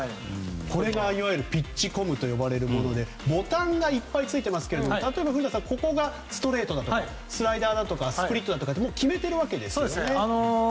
これがピッチコムと呼ばれるものでボタンがいっぱいついていますが例えば、古田さんここがストレートだとかスライダーだとかスプリットとか決めてるわけですね。